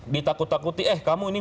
ditakut takuti eh kamu ini